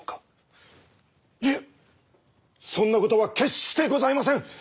いえそんなことは決してございません！